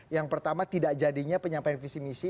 yang pertama tidak jadinya penyampaian visi misi